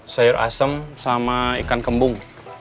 sayur asem sama ikan kembung